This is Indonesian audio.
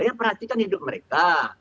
ya perhatikan hidup mereka